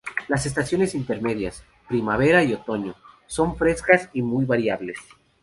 Las estaciones intermedias, primavera y otoño, son frescas y muy variables.